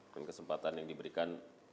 dan kesempatan yang diberikan